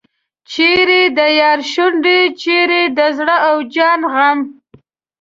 چیرې د یار شونډې چیرې د زړه او جان غم.